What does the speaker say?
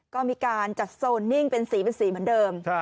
ก็มีการจัดโซนนิ่งเป็นสีเป็นสีเหมือนเดิม